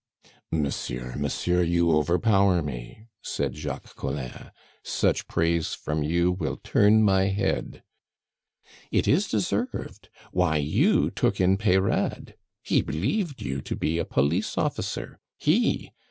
"Monsieur, monsieur, you overpower me," said Jacques Collin. "Such praise from you will turn my head " "It is deserved. Why, you took in Peyrade; he believed you to be a police officer he!